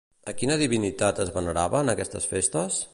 A quina divinitat es venerava en aquestes festes?